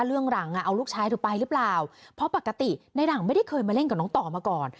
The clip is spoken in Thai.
เรื่องหลังอ่ะเอาลูกชายเธอไปหรือเปล่าเพราะปกติในหลังไม่ได้เคยมาเล่นกับน้องต่อมาก่อน